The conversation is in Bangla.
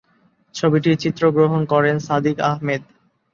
ছবিটির চিত্রগ্রহণ করেন সাদিক আহমেদ।